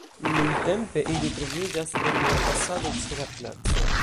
Nuntempe ili troviĝas en la fasado ĉe la placo.